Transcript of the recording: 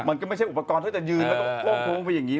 มันก็ไม่ใช่อุปกรณ์ถ้าจะยืนแล้วก็โค้งโค้งไปอย่างนี้